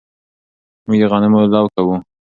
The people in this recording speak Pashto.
موږ د غنمو لو کوو